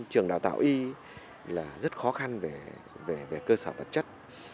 trường đào tạo y là rất khó khăn về cơ sở vật chất